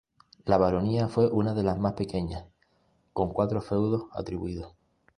La baronía fue una de las más pequeñas, con cuatro feudos atribuidos.